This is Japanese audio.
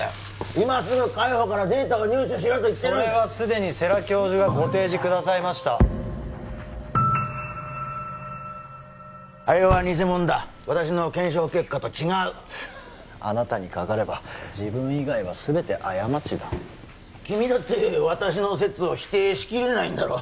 今すぐ海保からデータを入手しろとそれはすでに世良教授がご提示くださいましたあれは偽物だ私の検証結果と違うあなたにかかれば自分以外はすべて過ちだ君だって私の説を否定しきれないんだろう？